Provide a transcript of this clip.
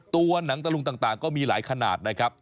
หนังตะลุงต่างก็มีหลายขนาดนะครับ